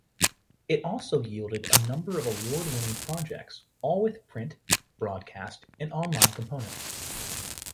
It also yielded a number of award-winning projects-all with print, broadcast, and online components.